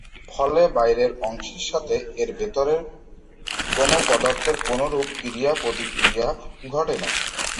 ফলে বাইরের অংশের সাথে এর ভেতরের কোনো পদার্থের কোনোরূপ ক্রিয়া প্রতিক্রিয়া ঘটে না।